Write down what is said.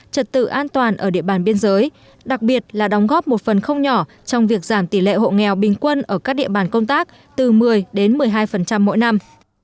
trật tự an toàn ở địa bàn biên giới đặc biệt là đóng góp một phần không nhỏ trong việc giảm tỷ lệ hộ nghèo bình quân ở các địa bàn công tác từ một mươi đến một mươi hai mỗi năm